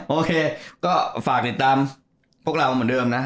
โอเคก็ฝากติดตามพวกเราเหมือนเดิมนะ